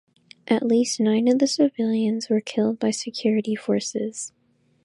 At least nine of the civilians were killed by security forces.